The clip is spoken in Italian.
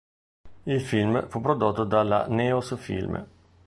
Il film fu prodotto dalla Neos-Film.